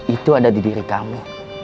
itu ada di diri kami